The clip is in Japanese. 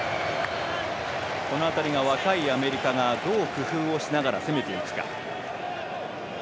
この辺り若いアメリカがどう工夫をしながら攻めていくか。